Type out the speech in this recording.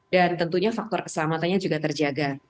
dan tentunya faktor keselamatannya juga terjaga